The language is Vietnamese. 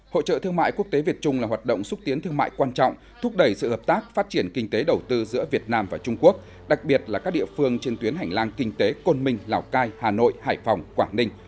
hội trợ thương mại quốc tế việt trung là hoạt động xúc tiến thương mại quan trọng thúc đẩy sự hợp tác phát triển kinh tế đầu tư giữa việt nam và trung quốc đặc biệt là các địa phương trên tuyến hành lang kinh tế côn minh lào cai hà nội hải phòng quảng ninh